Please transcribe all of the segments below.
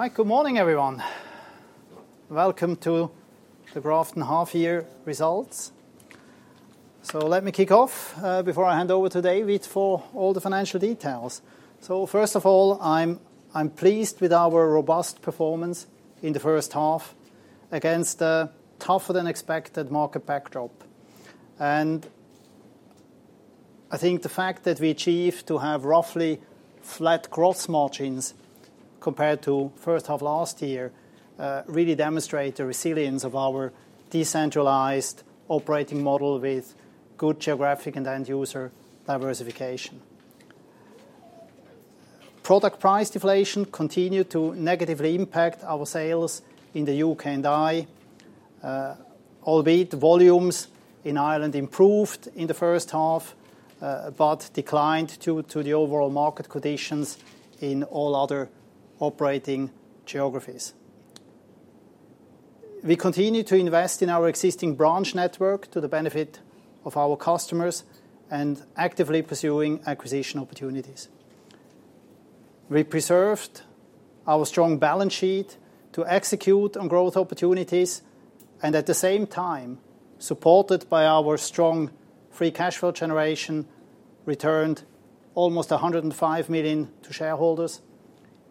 All right. Good morning, everyone. Welcome to the Grafton Half-Year Results. Let me kick off before I hand over to David for all the financial details. First of all, I'm pleased with our robust performance in the first half against a tougher-than-expected market backdrop, and I think the fact that we achieved to have roughly flat gross margins compared to first half last year really demonstrate the resilience of our decentralized operating model with good geographic and end user diversification. Product price deflation continued to negatively impact our sales in the U.K. and Ireland. Albeit volumes in Ireland improved in the first half, but declined due to the overall market conditions in all other operating geographies. We continue to invest in our existing branch network to the benefit of our customers and actively pursuing acquisition opportunities. We preserved our strong balance sheet to execute on growth opportunities and at the same time, supported by our strong free cash flow generation, returned almost 105 million to shareholders,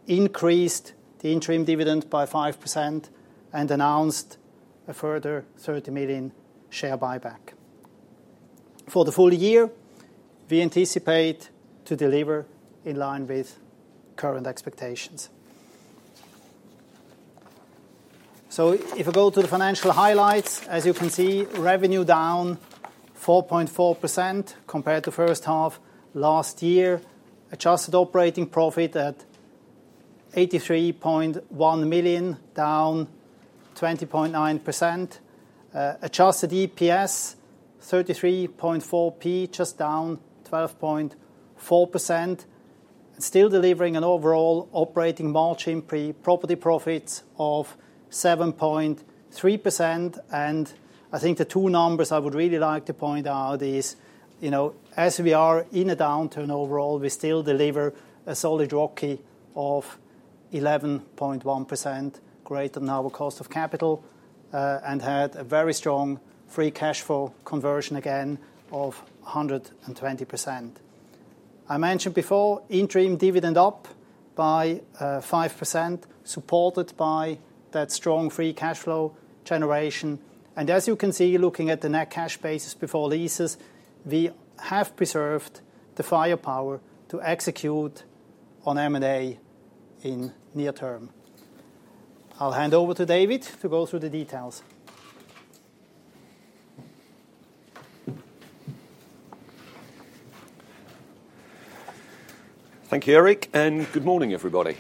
increased the interim dividend by 5%, and announced a further 30 million share buyback. For the full year, we anticipate to deliver in line with current expectations. So if I go to the financial highlights, as you can see, revenue down 4.4% compared to first half last year. Adjusted operating profit at 83.1 million, down 20.9%. Adjusted EPS 33.4p, just down 12.4%. Still delivering an overall operating margin pre-property profits of 7.3%. And I think the two numbers I would really like to point out is, you know, as we are in a downturn overall, we still deliver a solid ROCE of 11.1%, greater than our cost of capital, and had a very strong free cash flow conversion again of 120%. I mentioned before, interim dividend up by, five percent, supported by that strong free cash flow generation. And as you can see, looking at the net cash basis before leases, we have preserved the firepower to execute on M&A in near term. I'll hand over to David to go through the details. Thank you, Eric, and good morning, everybody.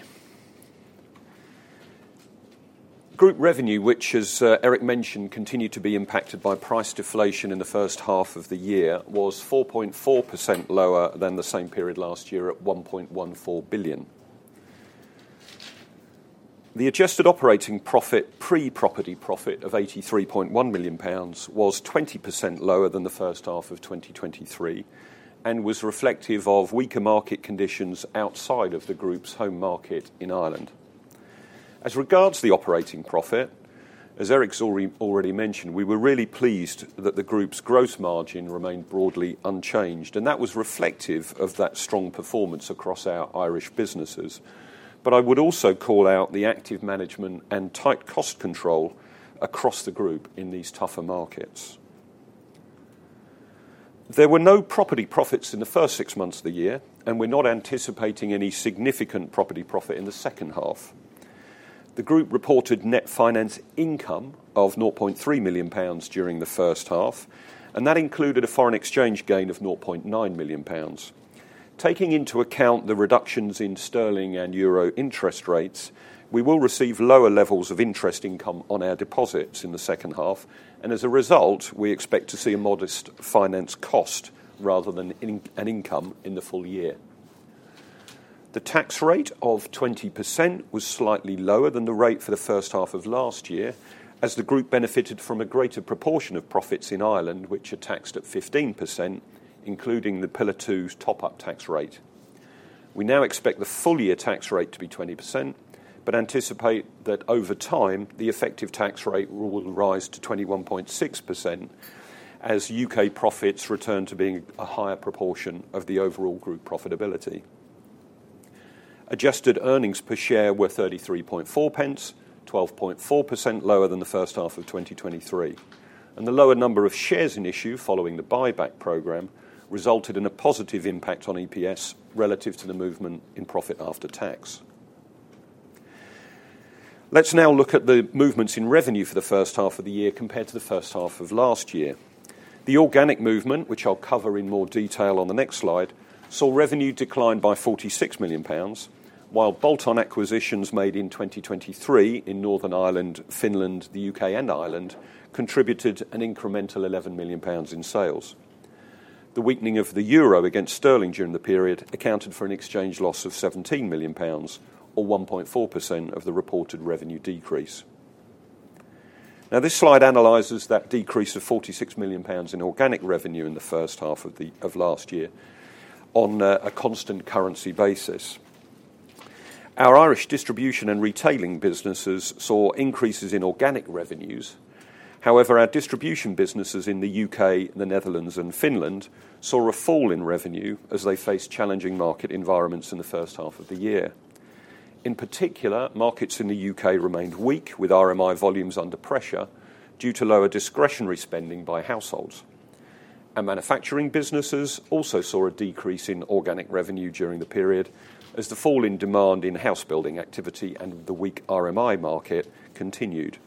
Group revenue, which, as Eric mentioned, continued to be impacted by price deflation in the first half of the year, was 4.4% lower than the same period last year at 1.114 billion. The adjusted operating profit, pre-property profit of 83.1 million pounds, was 20% lower than the first half of 2023 and was reflective of weaker market conditions outside of the group's home market in Ireland. As regards to the operating profit, as Eric's already mentioned, we were really pleased that the group's gross margin remained broadly unchanged, and that was reflective of that strong performance across our Irish businesses. But I would also call out the active management and tight cost control across the group in these tougher markets. There were no property profits in the first six months of the year, and we're not anticipating any significant property profit in the second half. The group reported net finance income of GBP 0.3 million during the first half, and that included a foreign exchange gain of GBP 0.9 million. Taking into account the reductions in sterling and euro interest rates, we will receive lower levels of interest income on our deposits in the second half, and as a result, we expect to see a modest finance cost rather than an income in the full year. The tax rate of 20% was slightly lower than the rate for the first half of last year, as the group benefited from a greater proportion of profits in Ireland, which are taxed at 15%, including the Pillar Two's top-up tax rate. We now expect the full-year tax rate to be 20%, but anticipate that over time, the effective tax rate will rise to 21.6% as U.K. profits return to being a higher proportion of the overall group profitability. Adjusted earnings per share were 33.4 pence, 12.4% lower than the first half of 2023, and the lower number of shares in issue following the buyback program resulted in a positive impact on EPS relative to the movement in profit after tax. Let's now look at the movements in revenue for the first half of the year compared to the first half of last year. The organic movement, which I'll cover in more detail on the next slide, saw revenue decline by 46 million pounds, while bolt-on acquisitions made in 2023 in Northern Ireland, Finland, the U.K., and Ireland contributed an incremental 11 million pounds in sales. The weakening of the euro against sterling during the period accounted for an exchange loss of 17 million pounds, or 1.4% of the reported revenue decrease. Now, this slide analyzes that decrease of 46 million pounds in organic revenue in the first half of last year on a constant currency basis. Our Irish distribution and retailing businesses saw increases in organic revenues. However, our distribution businesses in the U.K., the Netherlands, and Finland saw a fall in revenue as they faced challenging market environments in the first half of the year. In particular, markets in the U.K. remained weak, with RMI volumes under pressure due to lower discretionary spending by households. Our manufacturing businesses also saw a decrease in organic revenue during the period, as the fall in demand in house building activity and the weak RMI market continued.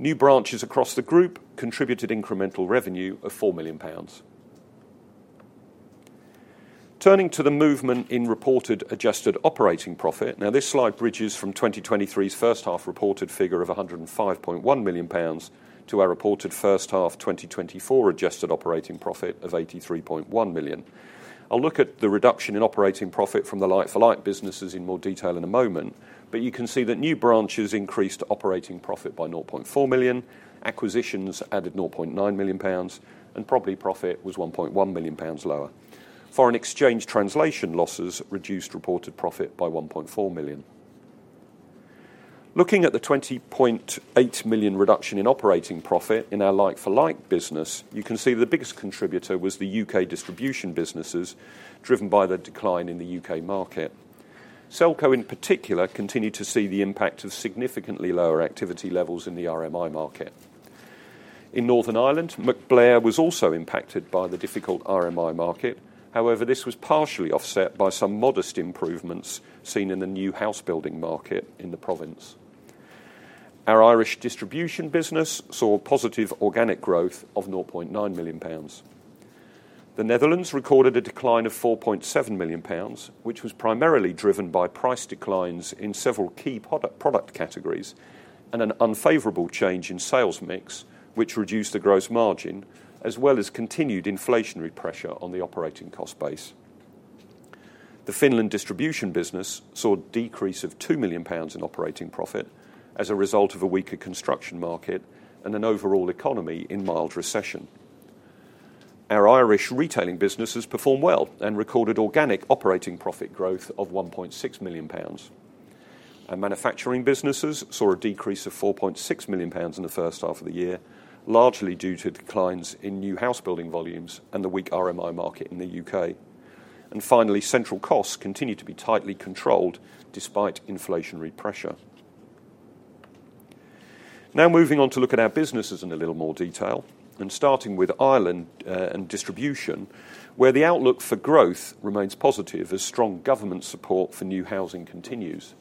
New branches across the group contributed incremental revenue of 4 million pounds. Turning to the movement in reported adjusted operating profit, now, this slide bridges from 2023's first half reported figure of 105.1 million pounds, to our reported first half 2024 adjusted operating profit of 83.1 million. I'll look at the reduction in operating profit from the like-for-like businesses in more detail in a moment, but you can see that new branches increased operating profit by 0.4 million, acquisitions added 0.9 million pounds, and property profit was 1.1 million pounds lower. Foreign exchange translation losses reduced reported profit by 1.4 million. Looking at the 20.8 million reduction in operating profit in our like-for-like business, you can see the biggest contributor was the U.K. distribution businesses, driven by the decline in the U.K. market. Selco, in particular, continued to see the impact of significantly lower activity levels in the RMI market. In Northern Ireland, MacBlair was also impacted by the difficult RMI market. However, this was partially offset by some modest improvements seen in the new house building market in the province. Our Irish distribution business saw positive organic growth of 0.9 million pounds. The Netherlands recorded a decline of 4.7 million pounds, which was primarily driven by price declines in several key product categories and an unfavorable change in sales mix, which reduced the gross margin, as well as continued inflationary pressure on the operating cost base. The Finland distribution business saw a decrease of 2 million pounds in operating profit as a result of a weaker construction market and an overall economy in mild recession. Our Irish retailing businesses performed well and recorded organic operating profit growth of 1.6 million pounds. Our manufacturing businesses saw a decrease of 4.6 million pounds in the first half of the year, largely due to declines in new house building volumes and the weak RMI market in the U.K. Finally, central costs continued to be tightly controlled despite inflationary pressure. Now moving on to look at our businesses in a little more detail, and starting with Ireland and distribution, where the outlook for growth remains positive as strong government support for new housing continues.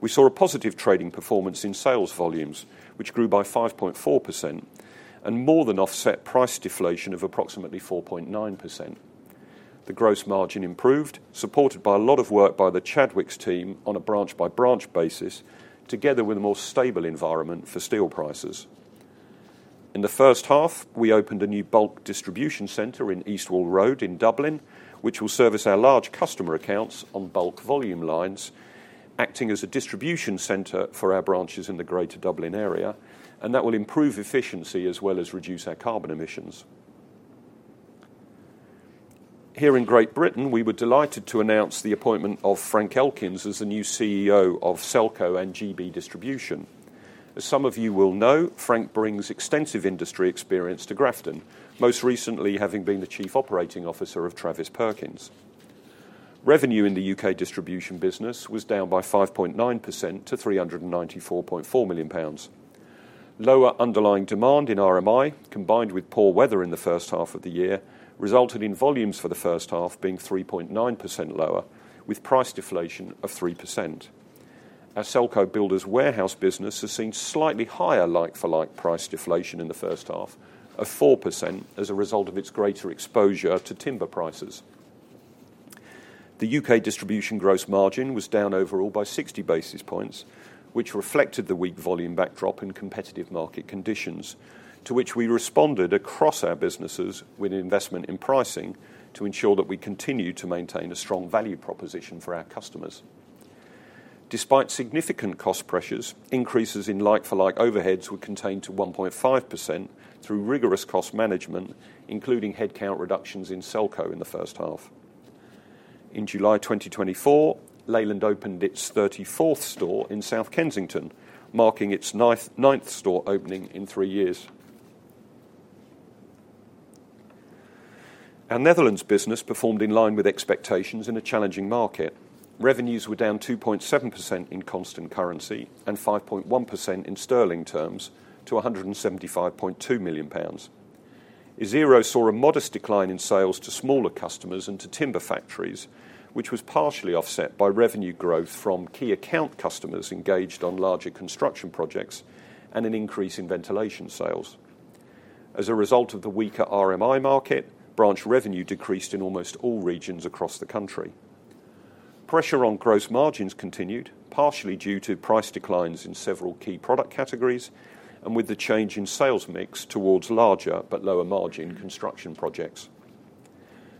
We saw a positive trading performance in sales volumes, which grew by 5.4%, and more than offset price deflation of approximately 4.9%. The gross margin improved, supported by a lot of work by the Chadwicks team on a branch-by-branch basis, together with a more stable environment for steel prices. In the first half, we opened a new bulk distribution center in East Wall Road in Dublin, which will service our large customer accounts on bulk volume lines, acting as a distribution center for our branches in the greater Dublin area, and that will improve efficiency as well as reduce our carbon emissions. Here in Great Britain, we were delighted to announce the appointment of Frank Elkins as the new CEO of Selco and GB Distribution. As some of you will know, Frank brings extensive industry experience to Grafton, most recently having been the Chief Operating Officer of Travis Perkins. Revenue in the U.K. distribution business was down by 5.9% to 394.4 million pounds. Lower underlying demand in RMI, combined with poor weather in the first half of the year, resulted in volumes for the first half being 3.9% lower, with price deflation of 3%. Our Selco Builders Warehouse business has seen slightly higher like-for-like price deflation in the first half of 4% as a result of its greater exposure to timber prices. The U.K. distribution gross margin was down overall by 60 basis points, which reflected the weak volume backdrop in competitive market conditions, to which we responded across our businesses with investment in pricing to ensure that we continue to maintain a strong value proposition for our customers. Despite significant cost pressures, increases in like-for-like overheads were contained to 1.5% through rigorous cost management, including headcount reductions in Selco in the first half. In July 2024, Leyland opened its 34th store in South Kensington, marking its ninth store opening in three years. Our Netherlands business performed in line with expectations in a challenging market. Revenues were down 2.7% in constant currency and 5.1% in sterling terms, to 175.2 million pounds. Isero saw a modest decline in sales to smaller customers and to timber factories, which was partially offset by revenue growth from key account customers engaged on larger construction projects and an increase in ventilation sales. As a result of the weaker RMI market, branch revenue decreased in almost all regions across the country. Pressure on gross margins continued, partially due to price declines in several key product categories, and with the change in sales mix towards larger but lower margin construction projects.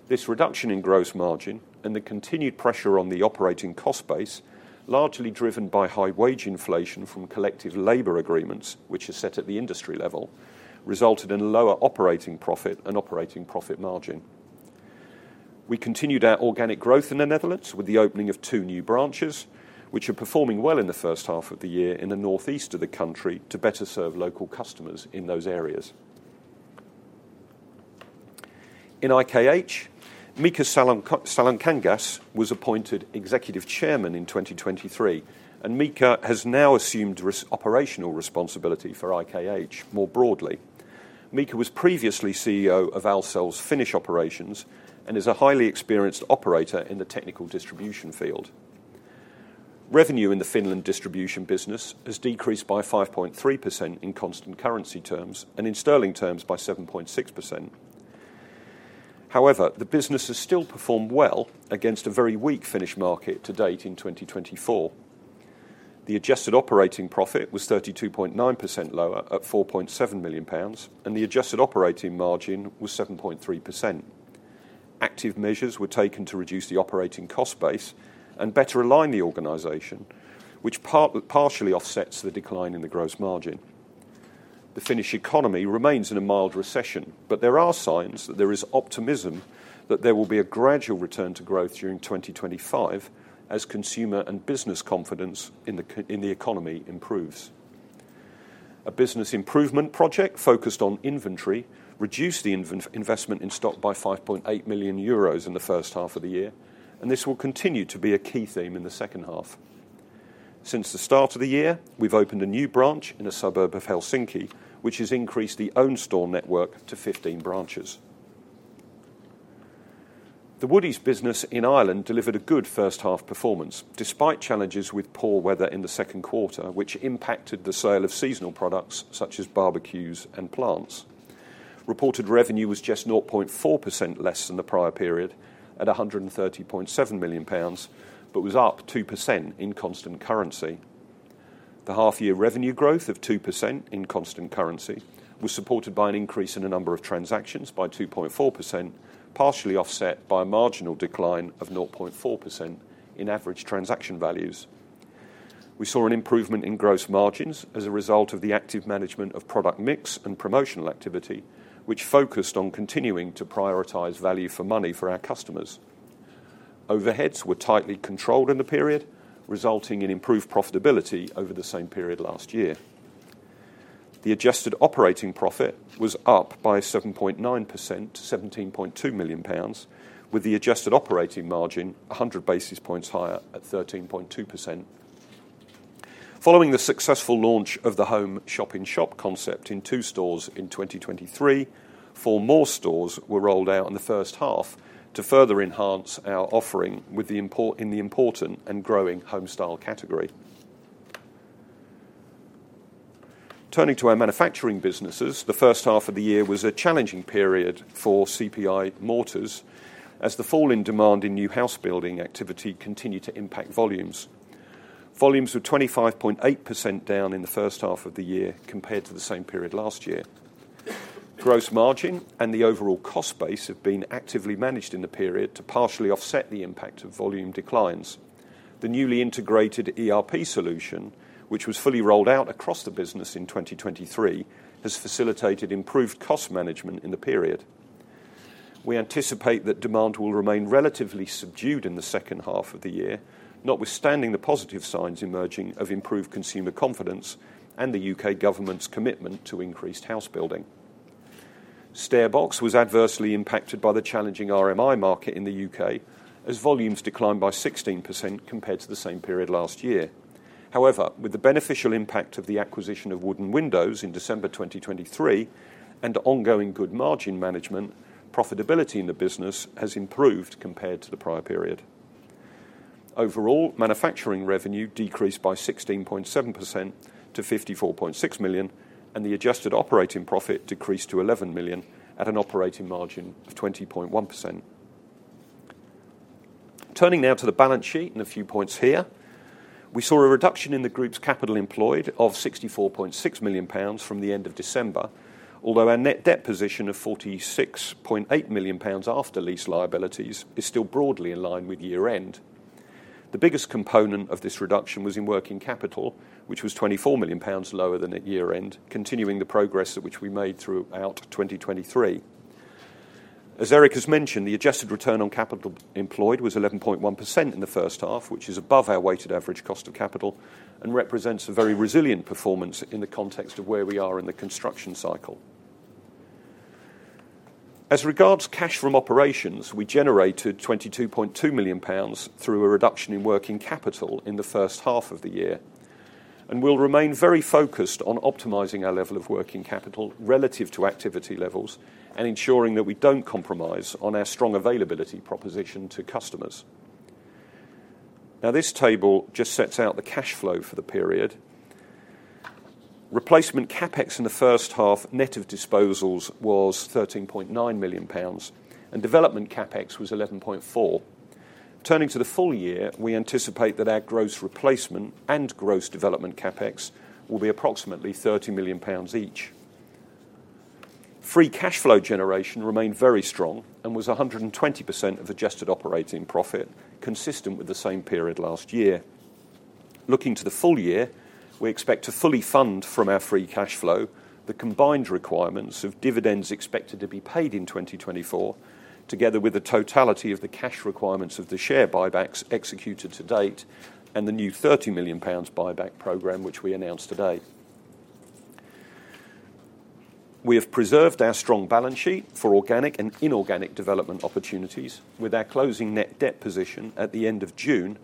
This reduction in gross margin and the continued pressure on the operating cost base, largely driven by high wage inflation from collective labor agreements, which are set at the industry level, resulted in lower operating profit and operating profit margin. We continued our organic growth in the Netherlands with the opening of two new branches, which are performing well in the first half of the year in the northeast of the country to better serve local customers in those areas. In IKH, Mika Salokangas was appointed Executive Chairman in 2023, and Mika has now assumed operational responsibility for IKH more broadly. Mika was previously CEO of Ahlsell's Finnish operations and is a highly experienced operator in the technical distribution field. Revenue in the Finland distribution business has decreased by 5.3% in constant currency terms, and in sterling terms, by 7.6%. However, the business has still performed well against a very weak Finnish market to date in 2024. The adjusted operating profit was 32.9% lower at 4.7 million pounds, and the adjusted operating margin was 7.3%. Active measures were taken to reduce the operating cost base and better align the organization, which partially offsets the decline in the gross margin. The Finnish economy remains in a mild recession, but there are signs that there is optimism that there will be a gradual return to growth during 2025 as consumer and business confidence in the economy improves. A business improvement project focused on inventory reduced the investment in stock by 5.8 million euros in the first half of the year, and this will continue to be a key theme in the second half. Since the start of the year, we've opened a new branch in a suburb of Helsinki, which has increased the own store network to fifteen branches. The Woodie's business in Ireland delivered a good first-half performance, despite challenges with poor weather in the Q2, which impacted the sale of seasonal products such as barbecues and plants. Reported revenue was just 0.4% less than the prior period, at 130.7 million pounds, but was up 2% in constant currency. The half-year revenue growth of 2% in constant currency was supported by an increase in the number of transactions by 2.4%, partially offset by a marginal decline of 0.4 in average transaction values. We saw an improvement in gross margins as a result of the active management of product mix and promotional activity, which focused on continuing to prioritize value for money for our customers. Overheads were tightly controlled in the period, resulting in improved profitability over the same period last year. The adjusted operating profit was up by 7.9% to GBP 17.2 million, with the adjusted operating margin 100 basis points higher at 13.2%. Following the successful launch of the Home Shop in-shop concept in two stores in 2023, four more stores were rolled out in the first half to further enhance our offering in the important and growing home style category. Turning to our manufacturing businesses, the first half of the year was a challenging period for CPI Mortars as the fall in demand in new house building activity continued to impact volumes. Volumes were 25.8% down in the first half of the year compared to the same period last year. Gross margin and the overall cost base have been actively managed in the period to partially offset the impact of volume declines. The newly integrated ERP solution, which was fully rolled out across the business in 2023, has facilitated improved cost management in the period. We anticipate that demand will remain relatively subdued in the second half of the year, notwithstanding the positive signs emerging of improved consumer confidence and the U.K. government's commitment to increased house building. StairBox was adversely impacted by the challenging RMI market in the U.K., as volumes declined by 16% compared to the same period last year. However, with the beneficial impact of the acquisition of Wooden Windows in December 2023, and ongoing good margin management, profitability in the business has improved compared to the prior period. Overall, manufacturing revenue decreased by 16.7% to 54.6 million, and the adjusted operating profit decreased to 11 million at an operating margin of 20.1%. Turning now to the balance sheet, and a few points here. We saw a reduction in the group's capital employed of 64.6 million pounds from the end of December, although our net debt position of 46.8 million pounds after lease liabilities is still broadly in line with year-end. The biggest component of this reduction was in working capital, which was 24 million pounds lower than at year-end, continuing the progress which we made throughout 2023. As Eric has mentioned, the adjusted return on capital employed was 11.1% in the first half, which is above our weighted average cost of capital and represents a very resilient performance in the context of where we are in the construction cycle. As regards cash from operations, we generated 22.2 million pounds through a reduction in working capital in the first half of the year, and we'll remain very focused on optimizing our level of working capital relative to activity levels and ensuring that we don't compromise on our strong availability proposition to customers. Now, this table just sets out the cash flow for the period. Replacement CapEx in the first half, net of disposals, was 13.9 million pounds, and development CapEx was 11.4 million. Turning to the full year, we anticipate that our gross replacement and gross development CapEx will be approximately 30 million pounds each. Free cash flow generation remained very strong and was 120% of adjusted operating profit, consistent with the same period last year. Looking to the full year, we expect to fully fund from our free cash flow the combined requirements of dividends expected to be paid in 2024, together with the totality of the cash requirements of the share buybacks executed to date, and the new 30 million pounds buyback program, which we announced today. We have preserved our strong balance sheet for organic and inorganic development opportunities, with our closing net debt position at the end of June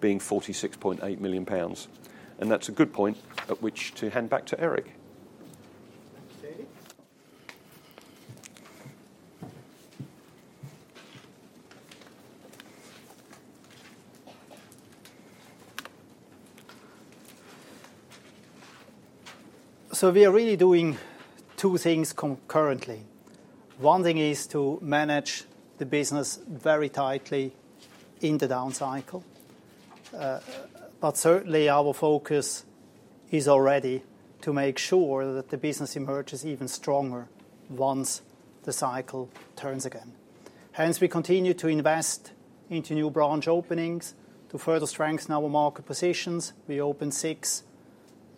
being 46.8 million pounds. And that's a good point at which to hand back to Eric. Thank you, David. So we are really doing two things concurrently. One thing is to manage the business very tightly in the down cycle. But certainly our focus is already to make sure that the business emerges even stronger once the cycle turns again. Hence, we continue to invest into new branch openings to further strengthen our market positions. We opened six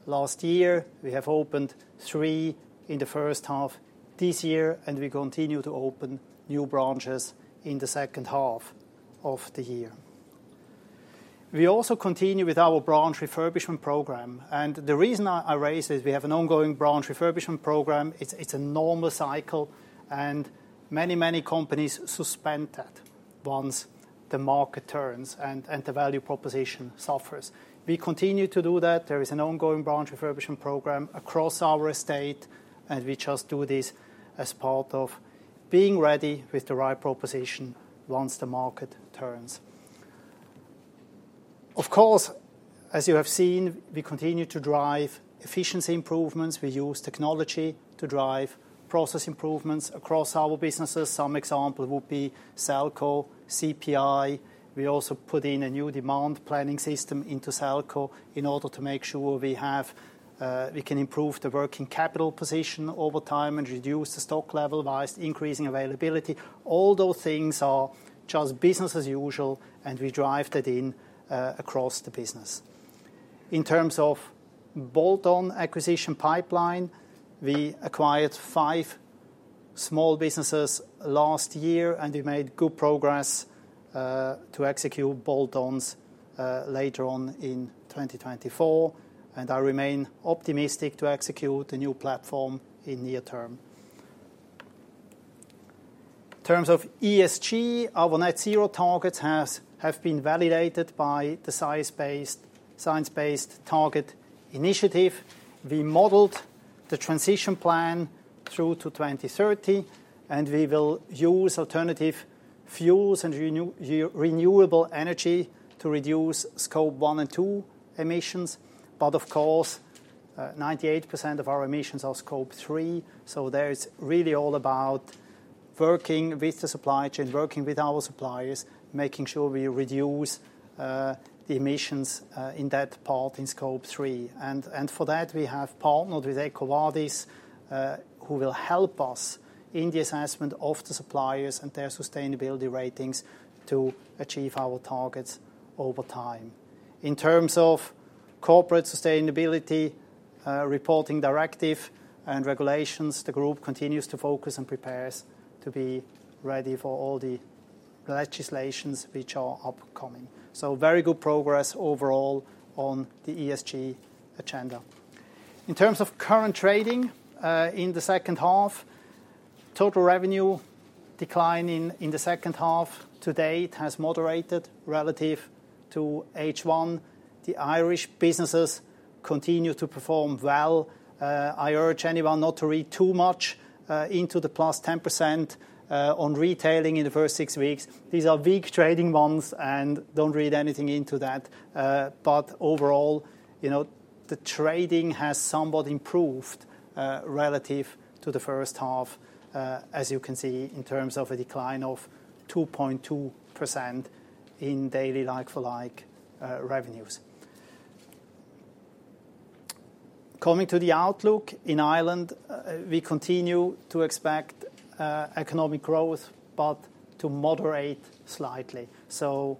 last year. We have opened three in the first half this year, and we continue to open new branches in the second half of the year. We also continue with our branch refurbishment program, and the reason I raise this, we have an ongoing branch refurbishment program. It's a normal cycle, and many, many companies suspend that once the market turns and the value proposition suffers. We continue to do that. There is an ongoing branch refurbishment program across our estate, and we just do this as part of being ready with the right proposition once the market turns. Of course, as you have seen, we continue to drive efficiency improvements. We use technology to drive process improvements across our businesses. Some example would be Selco, CPI. We also put in a new demand planning system into Selco in order to make sure we have, we can improve the working capital position over time and reduce the stock level whilst increasing availability. All those things are just business as usual, and we drive that in, across the business. In terms of bolt-on acquisition pipeline, we acquired five small businesses last year, and we made good progress, to execute bolt-ons, later on in 2024, and I remain optimistic to execute the new platform in near term. In terms of ESG, our net zero targets have been validated by the Science Based Targets initiative. We modeled the transition plan through to 2030, and we will use alternative fuels and renewable energy to reduce Scope 1 and 2 emissions. But of course, 98% of our emissions are Scope 3, so that is really all about working with the supply chain, working with our suppliers, making sure we reduce the emissions in that part, in Scope 3. And for that, we have partnered with EcoVadis, who will help us in the assessment of the suppliers and their sustainability ratings to achieve our targets over time. In terms of Corporate Sustainability Reporting Directive and regulations, the group continues to focus and prepares to be ready for all the legislations which are upcoming. So very good progress overall on the ESG agenda. In terms of current trading, in the second half, total revenue decline in the second half to date has moderated relative to H1. The Irish businesses continue to perform well. I urge anyone not to read too much into the plus 10% on retailing in the first six weeks. These are weak trading months, and don't read anything into that. But overall, you know, the trading has somewhat improved relative to the first half as you can see, in terms of a decline of 2.2% in daily like-for-like revenues. Coming to the outlook in Ireland, we continue to expect economic growth, but to moderate slightly. So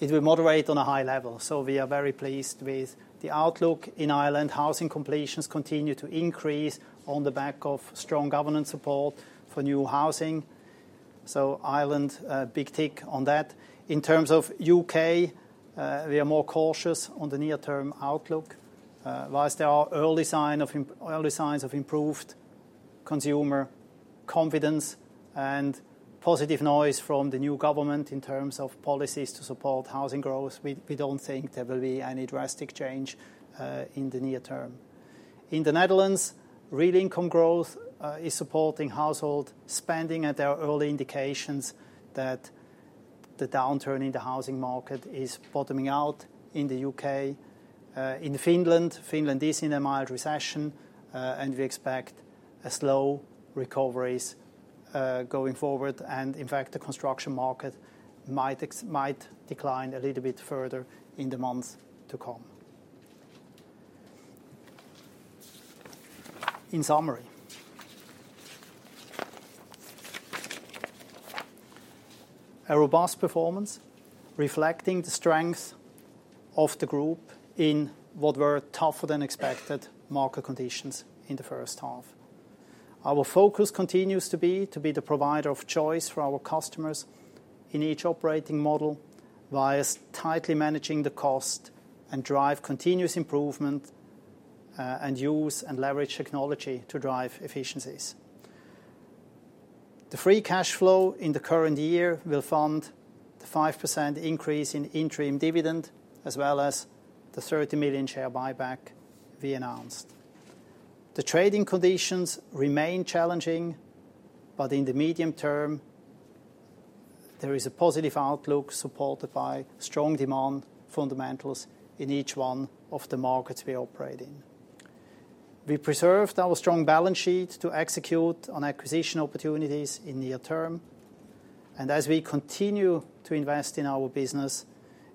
it will moderate on a high level, so we are very pleased with the outlook in Ireland. Housing completions continue to increase on the back of strong government support for new housing. So Ireland, a big tick on that. In terms of U.K., we are more cautious on the near-term outlook. Whilst there are early signs of improved consumer confidence and positive noise from the new government in terms of policies to support housing growth, we don't think there will be any drastic change in the near term. In the Netherlands, real income growth is supporting household spending, and there are early indications that the downturn in the housing market is bottoming out in the U.K. In Finland, Finland is in a mild recession, and we expect a slow recovery going forward, and in fact, the construction market might decline a little bit further in the months to come. In summary, a robust performance reflecting the strength of the group in what were tougher than expected market conditions in the first half. Our focus continues to be the provider of choice for our customers in each operating model, while tightly managing the cost and drive continuous improvement, and use and leverage technology to drive efficiencies. The free cash flow in the current year will fund the 5% increase in interim dividend, as well as the 30 million share buyback we announced. The trading conditions remain challenging, but in the medium term, there is a positive outlook, supported by strong demand fundamentals in each one of the markets we operate in. We preserved our strong balance sheet to execute on acquisition opportunities in near term, and as we continue to invest in our business,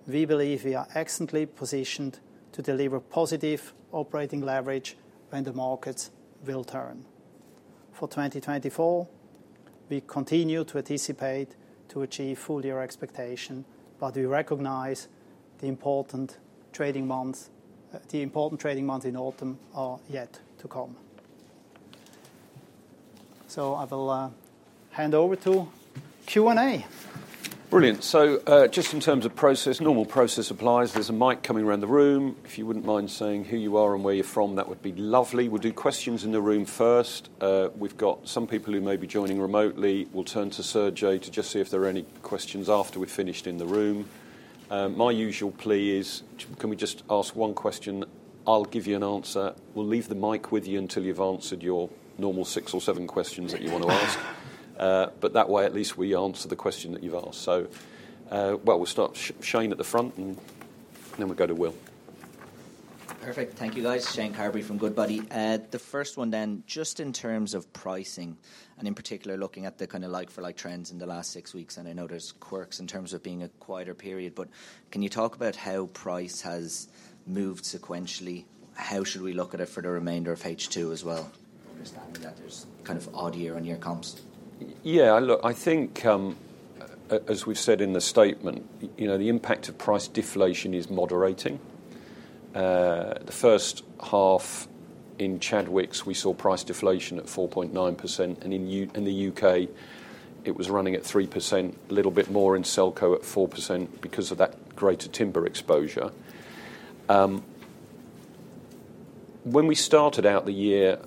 we believe we are excellently positioned to deliver positive operating leverage when the markets will turn. For 2024, we continue to anticipate to achieve full year expectation, but we recognize the important trading months in autumn are yet to come. So I will hand over to Q&A. Brilliant, so just in terms of process, normal process applies. There's a mic coming around the room. If you wouldn't mind saying who you are and where you're from, that would be lovely. We'll do questions in the room first. We've got some people who may be joining remotely. We'll turn to Sergei to just see if there are any questions after we've finished in the room. My usual plea is, can we just ask one question? I'll give you an answer. We'll leave the mic with you until you've answered your normal six or seven questions that you want to ask, but that way, at least we answer the question that you've asked, so we'll start Shane at the front, and then we'll go to Will. Perfect. Thank you, guys. Shane Carberry from Goodbody. The first one, then, just in terms of pricing, and in particular, looking at the kinda like-for-like trends in the last six weeks, and I know there's quirks in terms of being a quieter period, but can you talk about how price has moved sequentially? How should we look at it for the remainder of H2 as well, understanding that there's kind of odd year-on-year comps? Yeah, look, I think, as we've said in the statement, you know, the impact of price deflation is moderating. The first half in Chadwicks, we saw price deflation at 4.9%, and in the U.K., it was running at 3%, a little bit more in Selco at 4% because of that greater timber exposure. When we started out the year,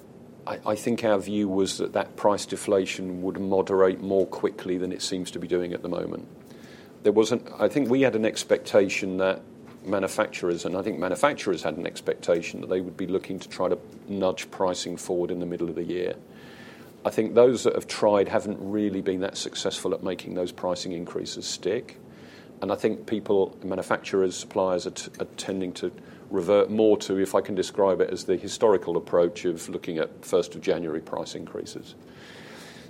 I think our view was that that price deflation would moderate more quickly than it seems to be doing at the moment. There wasn't. I think we had an expectation that manufacturers, and I think manufacturers had an expectation that they would be looking to try to nudge pricing forward in the middle of the year. I think those that have tried haven't really been that successful at making those pricing increases stick, and I think people, manufacturers, suppliers, are tending to revert more to, if I can describe it, as the historical approach of looking at first of January price increases.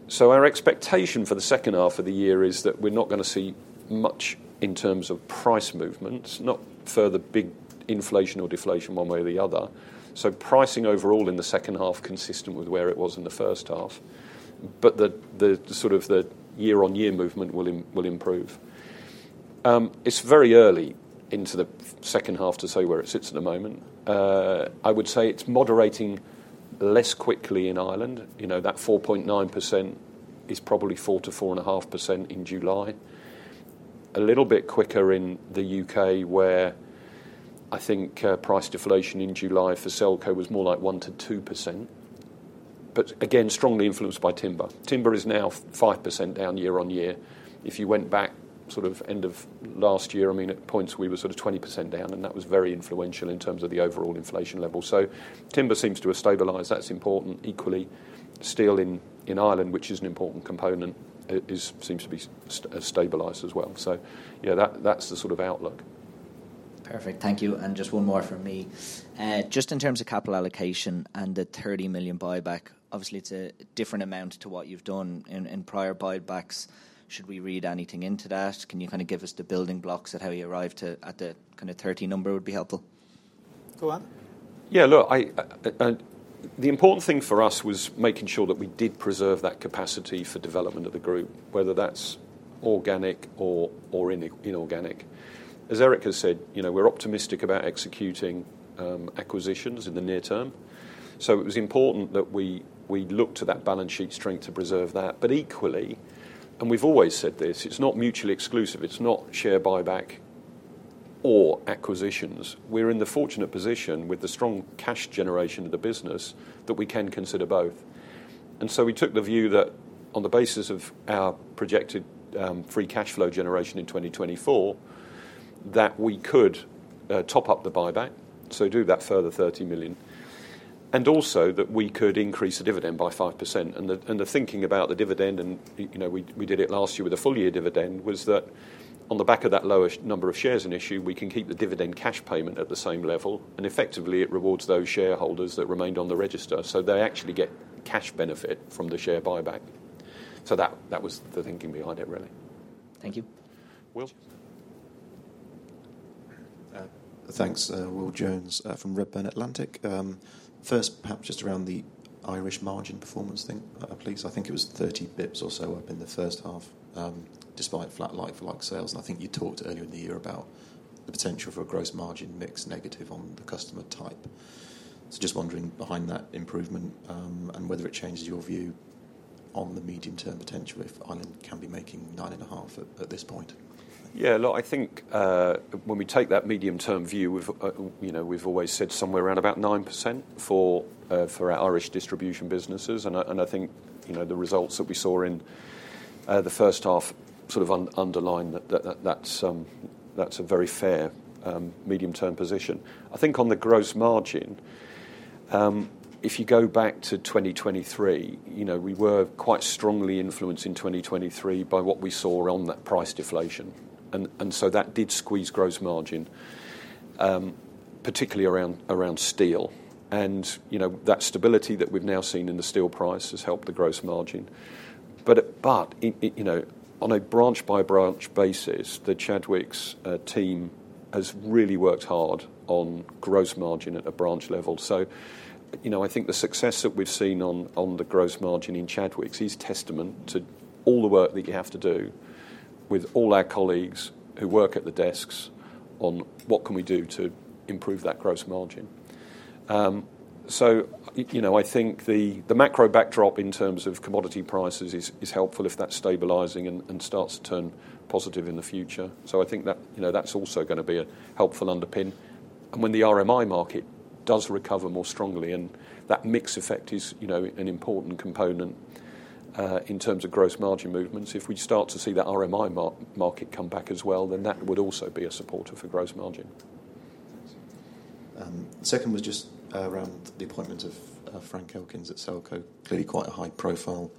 So our expectation for the second half of the year is that we're not going to see much in terms of price movements, not further big inflation or deflation one way or the other. So pricing overall in the second half, consistent with where it was in the first half, but the, the sort of the year-on-year movement will improve. It's very early into the second half to say where it sits at the moment. I would say it's moderating less quickly in Ireland. You know, that 4.9% is probably 4% to 4.5% in July. A little bit quicker in the U.K., where I think, price deflation in July for Selco was more like 1% to 2%, but again, strongly influenced by timber. Timber is now 5% down year on year. If you went back sort of end of last year, I mean, at points, we were sort of 20% down, and that was very influential in terms of the overall inflation level. So timber seems to have stabilized. That's important. Equally, steel in Ireland, which is an important component, it seems to be stabilized as well. So yeah, that, that's the sort of outlook. Perfect. Thank you, and just one more from me. Just in terms of capital allocation and the 30 million buyback, obviously, it's a different amount to what you've done in prior buybacks. Should we read anything into that? Can you kinda give us the building blocks of how you arrived at the kinda 30 number would be helpful. Go on. Yeah, look, I, the important thing for us was making sure that we did preserve that capacity for development of the group, whether that's organic or inorganic. As Eric has said, you know, we're optimistic about executing acquisitions in the near term, so it was important that we look to that balance sheet strength to preserve that. But equally, and we've always said this, it's not mutually exclusive. It's not share buyback or acquisitions. We're in the fortunate position, with the strong cash generation of the business, that we can consider both. And so we took the view that on the basis of our projected free cash flow generation in 2024, that we could top up the buyback, so do that further 30 million. And also that we could increase the dividend by 5%. The thinking about the dividend, you know, we did it last year with a full year dividend. That was on the back of that lower number of shares in issue. We can keep the dividend cash payment at the same level, and effectively, it rewards those shareholders that remained on the register. So they actually get cash benefit from the share buyback. So that was the thinking behind it, really. Thank you. Will? Thanks, Will Jones, from Redburn Atlantic. First, perhaps just around the Irish margin performance thing, please. I think it was thirty basis points or so up in the first half, despite flat like-for-like sales. And I think you talked earlier in the year about the potential for a gross margin mix negative on the customer type. So just wondering behind that improvement, and whether it changes your view on the medium-term potential if Ireland can be making nine and a half at this point? Yeah, look, I think, when we take that medium-term view, we've, you know, we've always said somewhere around about 9% for, for our Irish distribution businesses. And I, and I think, you know, the results that we saw in, the first half sort of underline that, that's a very fair, medium-term position. I think on the gross margin, if you go back to 2023, you know, we were quite strongly influenced in 2023 by what we saw on that price deflation. And, and so that did squeeze gross margin, particularly around steel. And, you know, that stability that we've now seen in the steel price has helped the gross margin. But you know, on a branch-by-branch basis, the Chadwicks team has really worked hard on gross margin at a branch level. So, you know, I think the success that we've seen on the gross margin in Chadwicks is testament to all the work that you have to do with all our colleagues who work at the desks on what can we do to improve that gross margin. You know, I think the macro backdrop in terms of commodity prices is helpful if that's stabilizing and starts to turn positive in the future. So I think that, you know, that's also going to be a helpful underpin. And when the RMI market does recover more strongly, and that mix effect is, you know, an important component in terms of gross margin movements. If we start to see that RMI market come back as well, then that would also be a supporter for gross margin. Second was just around the appointment of Frank Elkins at Selco. Clearly, quite a high-profile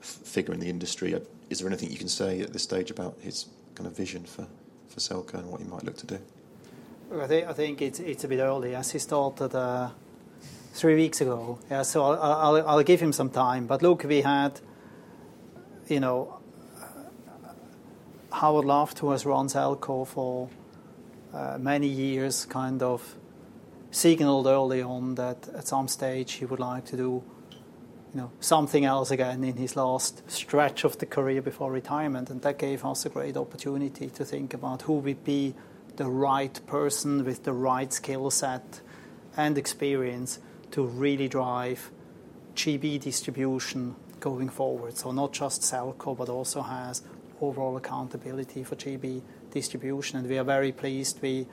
figure in the industry. Is there anything you can say at this stage about his kind of vision for Selco and what he might look to do? I think it's a bit early, as he started three weeks ago. So I'll give him some time. But look, we had, you know, Howard Love, who has run Selco for many years, kind of signaled early on that at some stage he would like to do, you know, something else again in his last stretch of the career before retirement. And that gave us a great opportunity to think about who would be the right person with the right skill set and experience to really drive GB distribution going forward. So not just Selco, but also has overall accountability for GB distribution, and we are very pleased we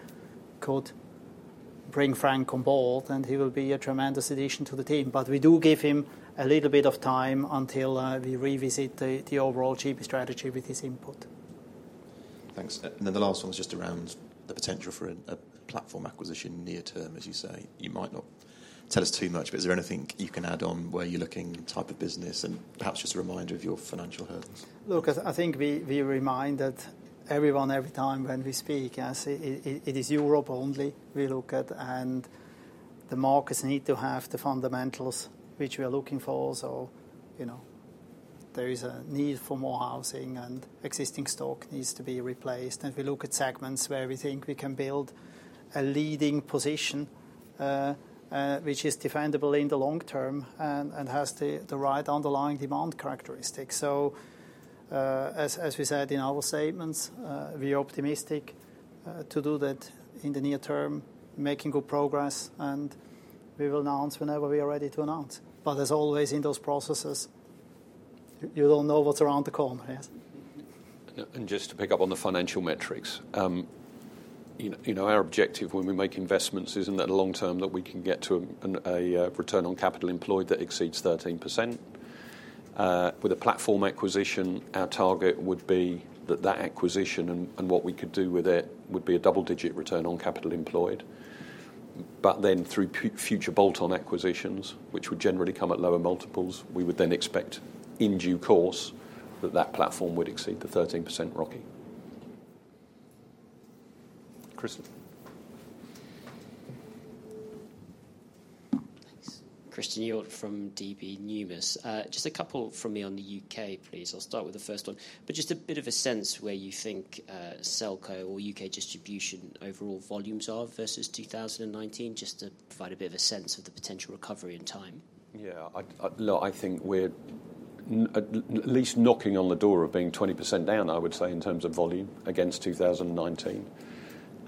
could bring Frank on board, and he will be a tremendous addition to the team. But we do give him a little bit of time until we revisit the overall GB strategy with his input. Thanks. Then the last one was just around the potential for a platform acquisition near term. As you say, you might not tell us too much, but is there anything you can add on where you're looking, type of business, and perhaps just a reminder of your financial hurdles? Look, I think we remind everyone every time when we speak, as it is Europe only. We look at, and the markets need to have the fundamentals which we are looking for. So, you know, there is a need for more housing and existing stock needs to be replaced. And we look at segments where we think we can build a leading position, which is defendable in the long term and has the right underlying demand characteristics. So, as we said in our statements, we are optimistic to do that in the near term, making good progress, and we will announce whenever we are ready to announce. But as always, in those processes, you don't know what's around the corner, yes. And just to pick up on the financial metrics, you know, our objective when we make investments is in that long term, that we can get to a return on capital employed that exceeds 13%. With a platform acquisition, our target would be that that acquisition and what we could do with it would be a double-digit return on capital employed. But then through future bolt-on acquisitions, which would generally come at lower multiples, we would then expect, in due course, that that platform would exceed the 13% ROCE. Chris? Thanks. Christen Hjorth from DB Numis. Just a couple from me on the U.K., please. I'll start with the first one. But just a bit of a sense where you think, Selco or U.K. distribution overall volumes are versus 2019, just to provide a bit of a sense of the potential recovery and time. Yeah, look, I think we're at least knocking on the door of being 20% down, I would say, in terms of volume against two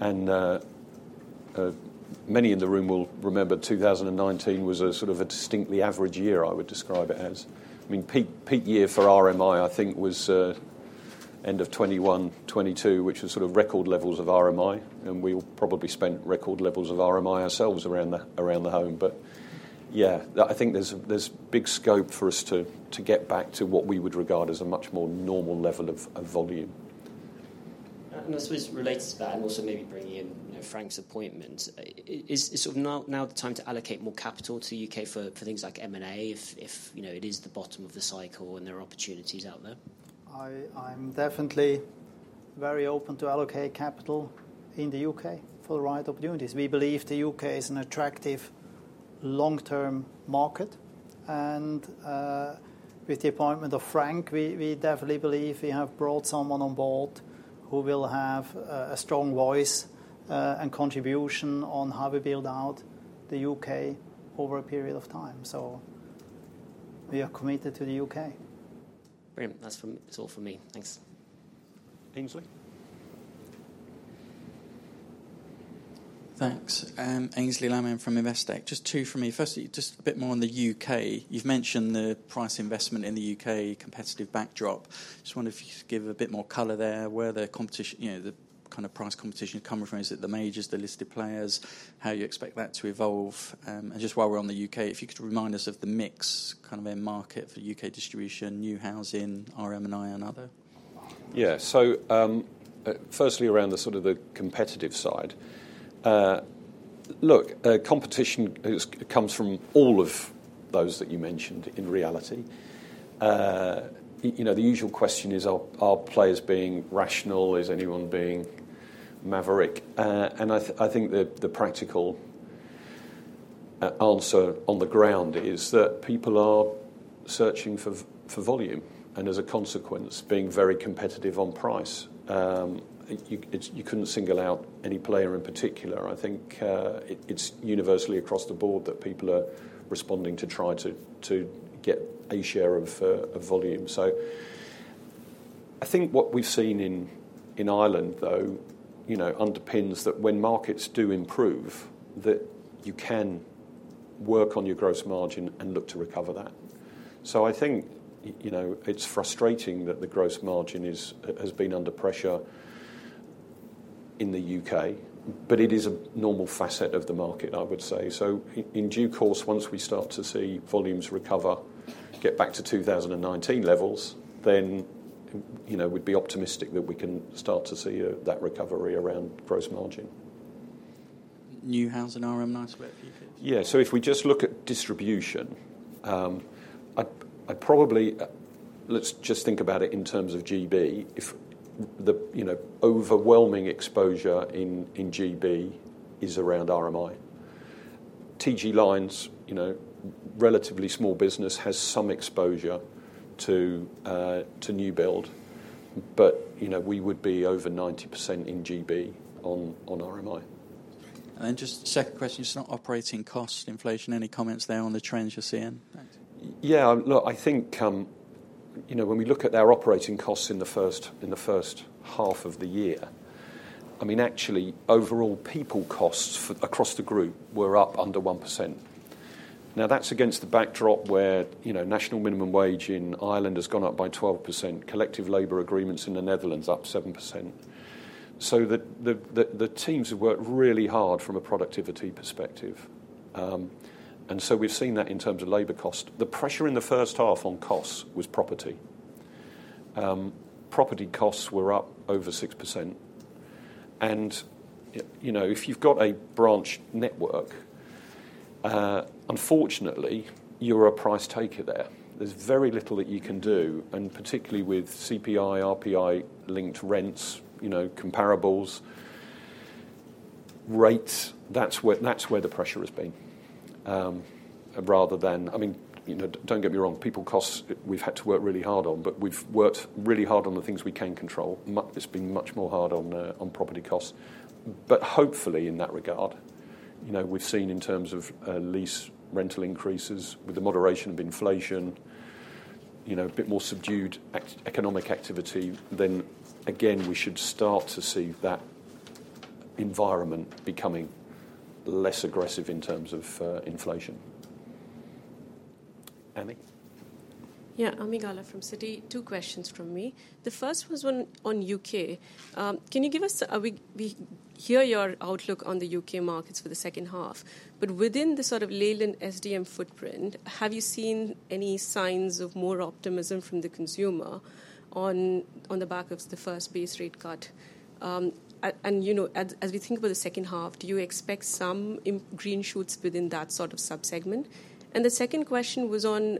thousand and nineteen. Many in the room will remember two thousand and nineteen was a sort of a distinctly average year, I would describe it as. I mean, peak year for RMI, I think, was end of 2021, 2022, which was sort of record levels of RMI, and we all probably spent record levels of RMI ourselves around the home. Yeah, I think there's big scope for us to get back to what we would regard as a much more normal level of volume. And I suppose related to that, and also maybe bringing in, you know, Frank's appointment, is sort of now the time to allocate more capital to U.K. for things like M&A, if, you know, it is the bottom of the cycle and there are opportunities out there? I'm definitely very open to allocate capital in the U.K. for the right opportunities. We believe the U.K. is an attractive long-term market, and with the appointment of Frank, we definitely believe we have brought someone on board who will have a strong voice and contribution on how we build out the U.K. over a period of time. So we are committed to the U.K. Brilliant. That's all from me. Thanks. Aynsley? Thanks. Aynsley Lammin from Investec. Just two from me. Firstly, just a bit more on the U.K. You've mentioned the price investment in the U.K. competitive backdrop. Just wonder if you could give a bit more color there, where the competition, you know, the kinda price competition coming from. Is it the majors, the listed players? How you expect that to evolve? And just while we're on the U.K., if you could remind us of the mix, kind of end market for U.K. distribution, new housing, RMI, and other. Yeah. So, firstly, around the sort of the competitive side. Look, competition comes from all of those that you mentioned, in reality. You know, the usual question is, are players being rational? Is anyone being maverick? And I think the practical answer on the ground is that people are searching for volume, and as a consequence, being very competitive on price. You, it's, you couldn't single out any player in particular. I think, it's universally across the board that people are responding to try to get a share of volume. So I think what we've seen in Ireland, though, you know, underpins that when markets do improve, that you can work on your gross margin and look to recover that. So I think, you know, it's frustrating that the gross margin is has been under pressure in the U.K., but it is a normal facet of the market, I would say. So in due course, once we start to see volumes recover, get back to 2019 levels, then, you know, we'd be optimistic that we can start to see that recovery around gross margin. New house and RMI spread, if you could? Yeah. So if we just look at distribution. Let's just think about it in terms of GB. If the, you know, overwhelming exposure in GB is around RMI. TG Lynes, you know, relatively small business has some exposure to new build, but, you know, we would be over 90% in GB on RMI. Just second question, just on operating costs, inflation, any comments there on the trends you're seeing? Yeah, look, I think, you know, when we look at our operating costs in the first half of the year, I mean, actually, overall people costs across the group were up under 1%. Now, that's against the backdrop where, you know, national minimum wage in Ireland has gone up by 12%, collective labor agreements in the Netherlands up 7%. So the teams have worked really hard from a productivity perspective. And so we've seen that in terms of labor cost. The pressure in the first half on costs was property. Property costs were up over 6%, and, you know, if you've got a branch network, unfortunately, you're a price taker there. There's very little that you can do, and particularly with CPI, RPI-linked rents, you know, comparables, rates, that's where the pressure has been. Rather than... I mean, you know, don't get me wrong, people costs, we've had to work really hard on, but we've worked really hard on the things we can control. It's been much more hard on, on property costs. But hopefully, in that regard, you know, we've seen in terms of, lease rental increases with the moderation of inflation, you know, a bit more subdued economic activity, then, again, we should start to see that environment becoming less aggressive in terms of, inflation. Ami? Yeah, Ami Galla from Citi. Two questions from me. The first was one on U.K. Can you give us... We hear your outlook on the U.K. markets for the second half, but within the sort of Leyland SDM footprint, have you seen any signs of more optimism from the consumer on the back of the first base rate cut? And, you know, as we think about the second half, do you expect some green shoots within that sort of sub-segment? And the second question was on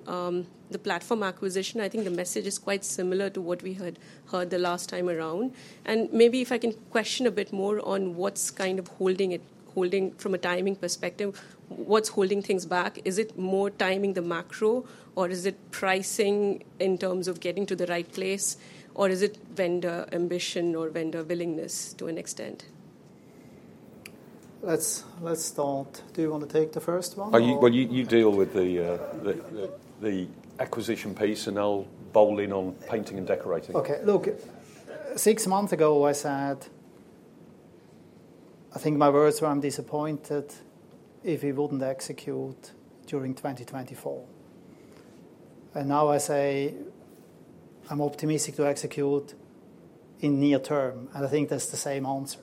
the platform acquisition. I think the message is quite similar to what we had heard the last time around. And maybe if I can question a bit more on what's kind of holding it from a timing perspective, what's holding things back? Is it more timing the macro, or is it pricing in terms of getting to the right place, or is it vendor ambition or vendor willingness to an extent? Let's, let's start. Do you want to take the first one or- You deal with the acquisition piece, and I'll chime in on painting and decorating. Okay. Look, six months ago, I said... I think my words were, I'm disappointed if we wouldn't execute during 2024, and now I say I'm optimistic to execute in near term, and I think that's the same answer,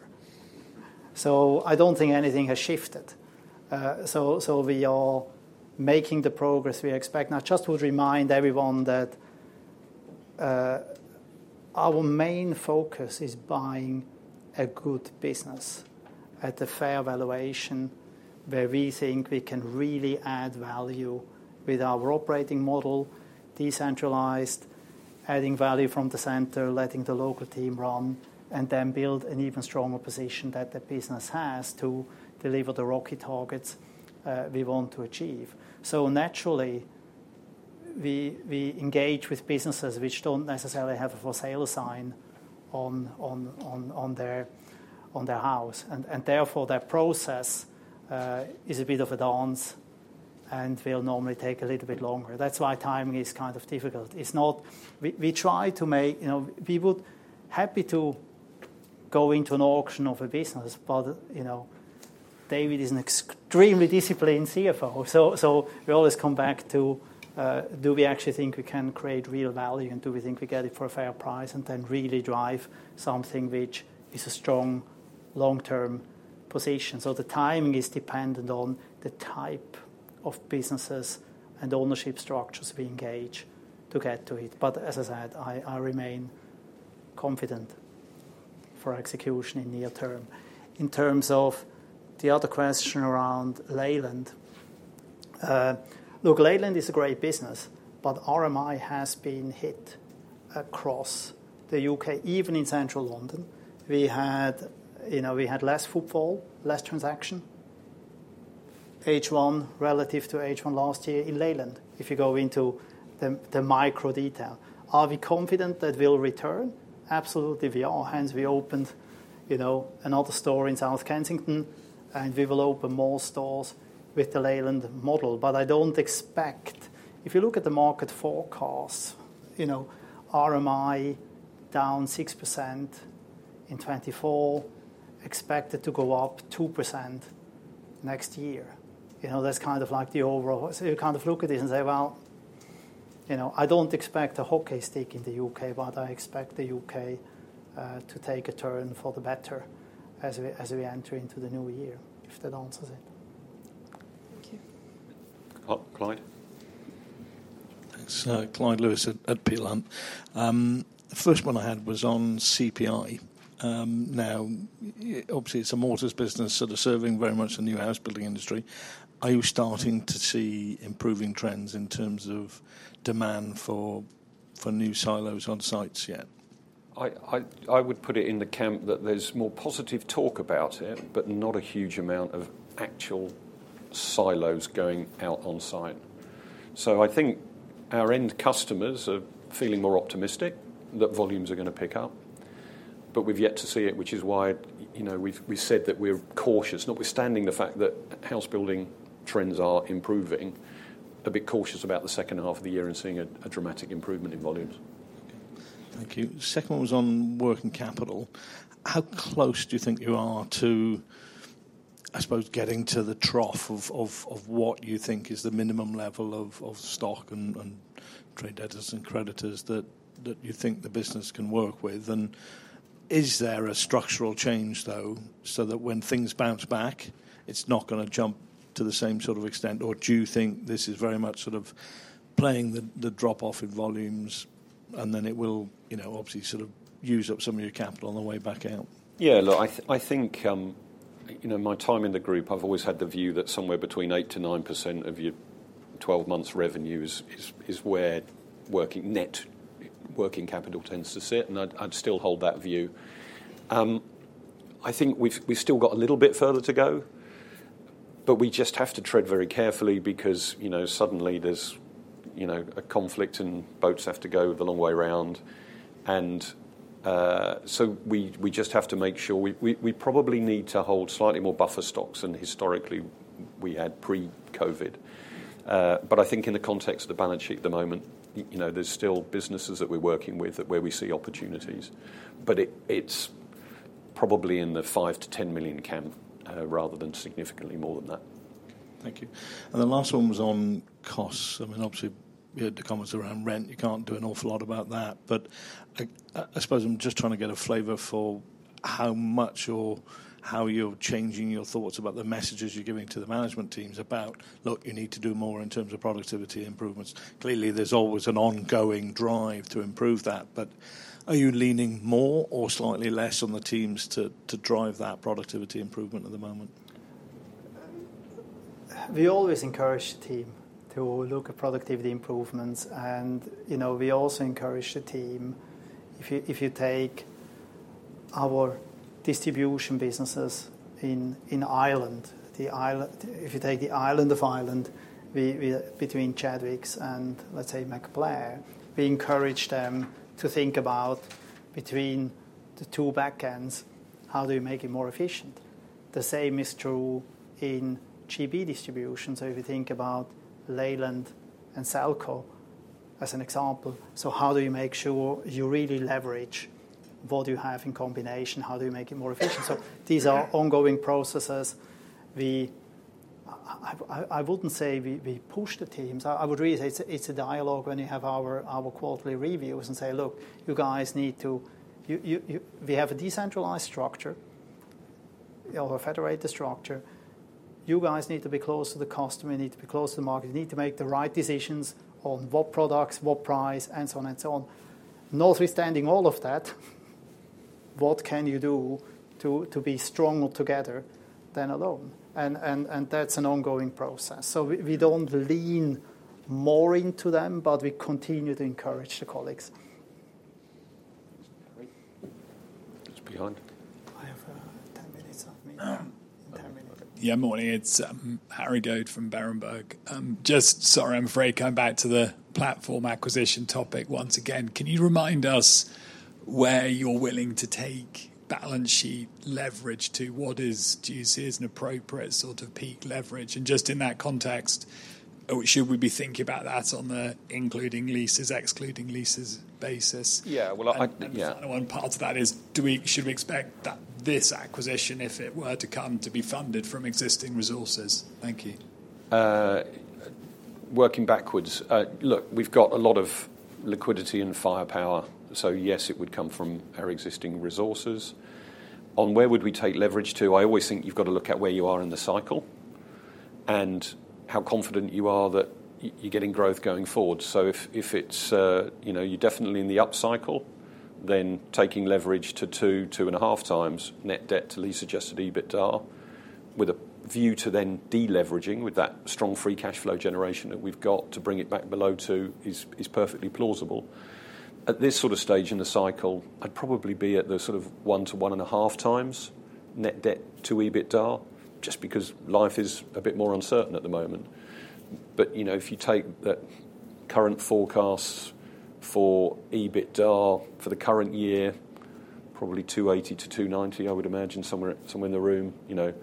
so I don't think anything has shifted, so we are making the progress we expect, and I just would remind everyone that our main focus is buying a good business at a fair valuation, where we think we can really add value with our operating model, decentralized, adding value from the center, letting the local team run, and then build an even stronger position that the business has to deliver the ROCE targets we want to achieve. So naturally, we engage with businesses which don't necessarily have a for sale sign on their house, and therefore, their process is a bit of a dance and will normally take a little bit longer. That's why timing is kind of difficult. It's not. We try to make, you know, we would be happy to go into an auction of a business, but you know, David is an extremely disciplined CFO. So we always come back to do we actually think we can create real value, and do we think we get it for a fair price, and then really drive something which is a strong long-term position? So the timing is dependent on the type of businesses and ownership structures we engage to get to it. But as I said, I remain confident for execution in near term. In terms of the other question around Leyland, look, Leyland is a great business, but RMI has been hit across the U.K., even in central London. We had, you know, we had less footfall, less transaction, H1 relative to H1 last year in Leyland, if you go into the micro detail. Are we confident that we'll return? Absolutely, we are. Hence, we opened, you know, another store in South Kensington, and we will open more stores with the Leyland model. But I don't expect, if you look at the market forecast, you know, RMI down 6% in 2024, expected to go up 2% next year. You know, that's kind of like the overall. So you kind of look at it and say: Well, you know, I don't expect a hockey stick in the U.K., but I expect the U.K. to take a turn for the better as we enter into the new year. If that answers it. Thank you. Clyde? Thanks. Clyde Lewis at Peel Hunt. The first one I had was on CPI. Now, obviously, it's a mortar business sort of serving very much the new house building industry. Are you starting to see improving trends in terms of demand for new silos on sites yet? I would put it in the camp that there's more positive talk about it, but not a huge amount of actual silos going out on site. So I think our end customers are feeling more optimistic that volumes are going to pick up, but we've yet to see it, which is why, you know, we've said that we're cautious, notwithstanding the fact that house building trends are improving, a bit cautious about the second half of the year and seeing a dramatic improvement in volumes. Thank you. Second one was on working capital. How close do you think you are to, I suppose, getting to the trough of what you think is the minimum level of stock and trade debtors and creditors that you think the business can work with? And is there a structural change, though, so that when things bounce back, it's not going to jump to the same sort of extent? Or do you think this is very much sort of playing the drop-off in volumes, and then it will, you know, obviously sort of use up some of your capital on the way back out? Yeah, look, I think you know, my time in the group, I've always had the view that somewhere between 8% to 9% of your 12 months revenues is where net working capital tends to sit, and I'd still hold that view. I think we've still got a little bit further to go, but we just have to tread very carefully because you know, suddenly there's you know, a conflict and boats have to go the long way around. So we probably need to hold slightly more buffer stocks than historically we had pre-COVID. But I think in the context of the balance sheet at the moment, you know, there's still businesses that we're working with where we see opportunities. But it's probably in the 5 to 10 million camp, rather than significantly more than that. Thank you. And the last one was on costs. I mean, obviously, you had the comments around rent. You can't do an awful lot about that. But, I suppose I'm just trying to get a flavor for how much or how you're changing your thoughts about the messages you're giving to the management teams about, "Look, you need to do more in terms of productivity improvements." Clearly, there's always an ongoing drive to improve that, but are you leaning more or slightly less on the teams to drive that productivity improvement at the moment? We always encourage the team to look at productivity improvements, and, you know, we also encourage the team. If you take our distribution businesses in Ireland, the Ireland—if you take the island of Ireland, between Chadwicks and, let's say, MacBlair, we encourage them to think about between the two back ends, how do you make it more efficient? The same is true in GB distribution. So if you think about Leyland and Selco, as an example, so how do you make sure you really leverage what you have in combination? How do you make it more efficient? So these are ongoing processes. I wouldn't say we push the teams. I would really say it's a dialogue when you have our quarterly reviews and say: "Look, you guys need to. We have a decentralized structure or a federated structure. You guys need to be close to the customer, you need to be close to the market, you need to make the right decisions on what products, what price, and so on and so on. Notwithstanding all of that, what can you do to be stronger together than alone? and that's an ongoing process, so we don't lean more into them, but we continue to encourage the colleagues. Just behind. I have ten minutes of me, ten minutes. Yeah, morning. It's Harry Goad from Berenberg. Just sorry, I'm afraid, coming back to the platform acquisition topic once again. Can you remind us where you're willing to take balance sheet leverage to? What do you see as an appropriate sort of peak leverage? And just in that context, should we be thinking about that on the including leases, excluding leases basis? Yeah, well, yeah. The one part of that is, should we expect that this acquisition, if it were to come, to be funded from existing resources? Thank you. Working backwards. Look, we've got a lot of liquidity and firepower, so yes, it would come from our existing resources. On where would we take leverage to, I always think you've got to look at where you are in the cycle and how confident you are that you're getting growth going forward. So if it's, you know, you're definitely in the upcycle, then taking leverage to two, two and a half times net debt to lease-adjusted EBITDA, with a view to then deleveraging with that strong free cash flow generation that we've got to bring it back below two is perfectly plausible. At this sort of stage in the cycle, I'd probably be at the sort of one to one and a half times net debt to EBITDA, just because life is a bit more uncertain at the moment. But, you know, if you take the current forecasts for EBITDA for the current year, probably 280 to 290, I would imagine somewhere, somewhere in the room, you know,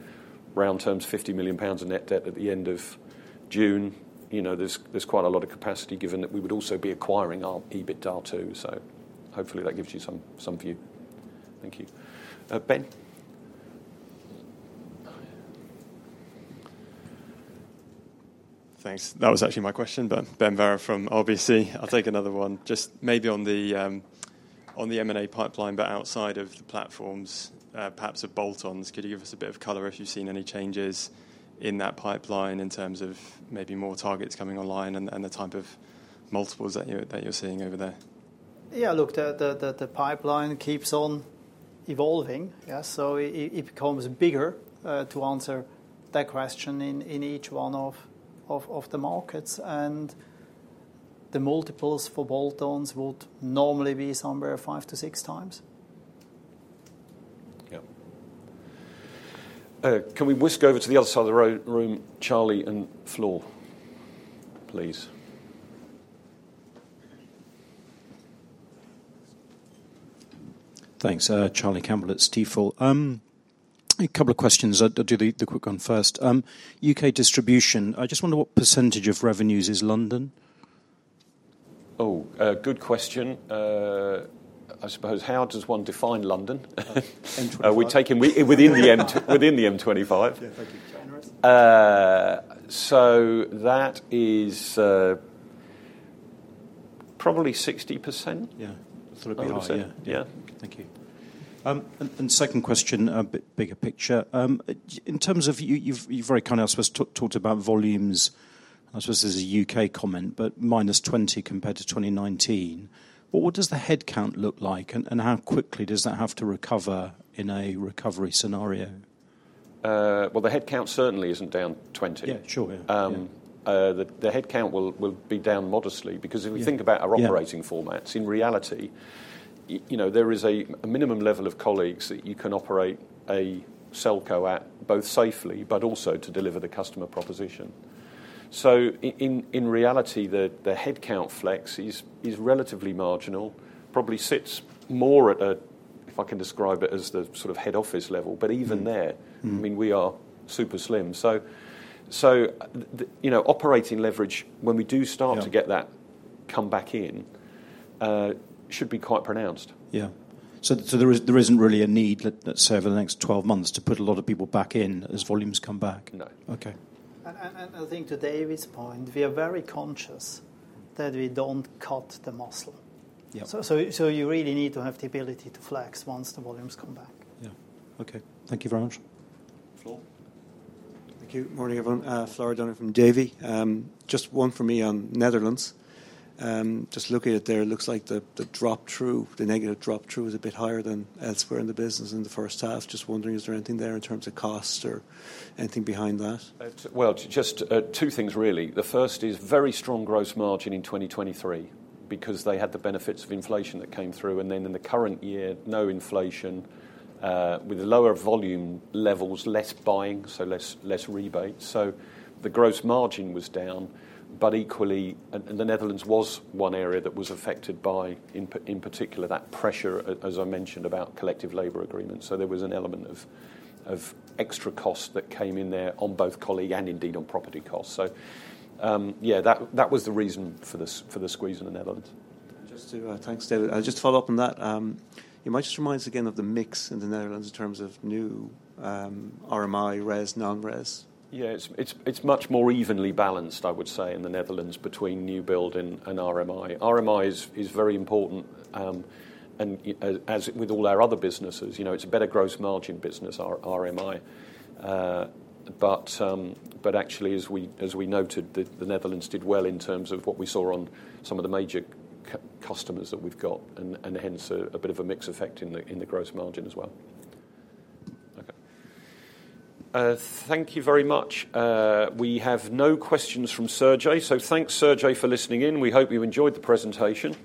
round terms, 50 million pounds of net debt at the end of June. You know, there's quite a lot of capacity, given that we would also be acquiring our EBITDA, too. So hopefully, that gives you some view. Thank you. Ben? Thanks. That was actually my question, but [Ben Vera] from OBC. I'll take another one. Just maybe on the M&A pipeline, but outside of the platforms, perhaps a bolt-ons. Could you give us a bit of color if you've seen any changes in that pipeline in terms of maybe more targets coming online and the type of multiples that you're seeing over there? Yeah, look, the pipeline keeps on evolving. Yeah, so it becomes bigger to answer that question in each one of the markets, and the multiples for bolt-on would normally be somewhere five to six times. Yeah. Can we switch over to the other side of the room, Charlie and Flor, please? Thanks. Charlie Campbell at Stifel. A couple of questions. I'll do the quick one first. U.K. distribution, I just wonder what percentage of revenues is London? Oh, good question. I suppose, how does one define London? M25. We take it within the M25. Yeah, thank you. Generous. So that is probably 60%. Yeah. Sort of... Yeah. Thank you. And second question, a bit bigger picture. In terms of you, you've very kindly, I suppose, talked about volumes. I suppose this is a U.K. comment, but minus 20 compared to 2019, what does the headcount look like, and how quickly does that have to recover in a recovery scenario? Well, the headcount certainly isn't down 20. Yeah, sure. Yeah. The headcount will be down modestly, because if you think about- Yeah... our operating formats, in reality, you know, there is a minimum level of colleagues that you can operate a Selco at, both safely, but also to deliver the customer proposition. So in reality, the headcount flex is relatively marginal, probably sits more at a, if I can describe it, as the sort of head office level, but even there- Mm-hmm... I mean, we are super slim. So, the, you know, operating leverage, when we do start- Yeah... to get that comeback in, should be quite pronounced. Yeah. So there isn't really a need, let's say, over the next twelve months, to put a lot of people back in as volumes come back? No. Okay. I think to David's point, we are very conscious that we don't cut the muscle. Yeah. You really need to have the ability to flex once the volumes come back. Yeah. Okay. Thank you very much. Flor? Thank you. Morning, everyone, Flor O'Donoghue from Davy. Just one for me on Netherlands. Just looking at there, it looks like the drop-through, the negative drop-through is a bit higher than elsewhere in the business in the first half. Just wondering, is there anything there in terms of cost or anything behind that? Just two things, really. The first is very strong gross margin in 2023, because they had the benefits of inflation that came through, and then in the current year, no inflation, with lower volume levels, less buying, so less rebates. So the gross margin was down, but equally and the Netherlands was one area that was affected by, in particular, that pressure, as I mentioned, about collective labor agreements. So there was an element of extra costs that came in there on both colleague and indeed, on property costs. So that was the reason for the squeeze in the Netherlands. Just to, thanks, David. I'll just follow up on that. You might just remind us again of the mix in the Netherlands in terms of new, RMI, res, non-res? Yeah, it's much more evenly balanced, I would say, in the Netherlands, between new build and RMI. RMI is very important, and as with all our other businesses, you know, it's a better gross margin business, our RMI. But actually, as we noted, the Netherlands did well in terms of what we saw on some of the major customers that we've got, and hence, a bit of a mix effect in the gross margin as well. Okay. Thank you very much. We have no questions from Sergei, so thanks, Sergei, for listening in. We hope you enjoyed the presentation.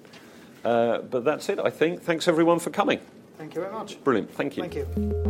But that's it, I think. Thanks, everyone, for coming. Thank you very much. Brilliant. Thank you. Thank you.